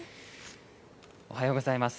おはようございます。